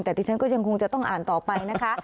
แต่ที่ฉันก็ยังคงจะต้องอ่านต่อไปนะคะ